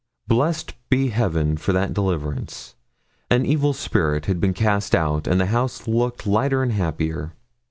Blessed be heaven for that deliverance! An evil spirit had been cast out, and the house looked lighter and happier.